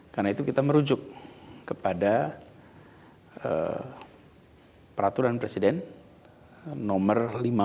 karena itu kita merujuk kepada peraturan presiden nomor lima puluh dua